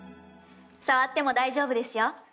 触っても大丈夫ですよ。